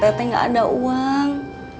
teh teh teh nggak ada uang